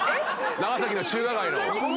長崎の中華街の。